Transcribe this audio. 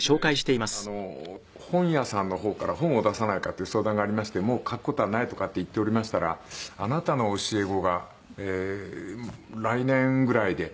それで本屋さんの方から本を出さないかっていう相談がありまして「もう書く事はない」とかって言っておりましたら「あなたの教え子が来年ぐらいでみんな６０歳の還暦になるんで」。